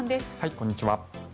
こんにちは。